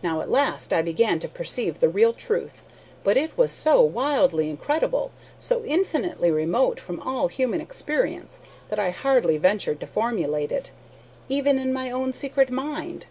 "Now, at last, I began to perceive the real truth, but it was so wildly incredible, so infinitely remote from all human experience, that I hardly ventured to formulate it, even in my own secret mind.